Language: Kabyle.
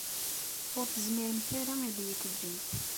Ur tezmiremt ara ad iyi-teǧǧemt.